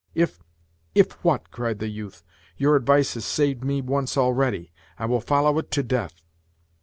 If " "If what?" cried the youth. "Your advice has saved me once already; I will follow it to death."